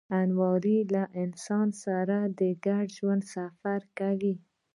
الماري له انسان سره د ژوند سفر کوي